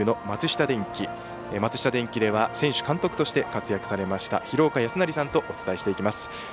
松下電器では選手、監督として活躍されました廣岡資生さんとお伝えしていきます。